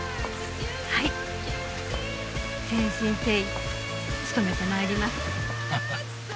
はい誠心誠意努めて参ります。